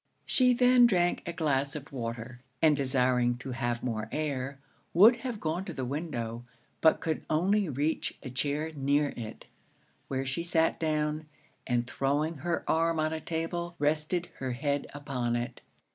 She then drank a glass of water; and desiring to have more air, would have gone to the window, but could only reach a chair near it, where she sat down, and throwing her arm on a table, rested her head upon it.